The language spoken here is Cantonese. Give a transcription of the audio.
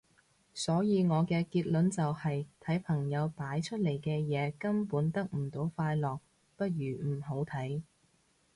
所以我嘅結論就係睇朋友擺出嚟嘅嘢根本得唔到快樂，不如唔好睇